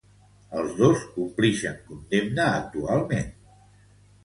Els dos complixen condemna actualment.